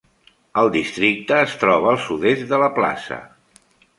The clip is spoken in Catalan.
El districte es troba al sud-est de la plaça.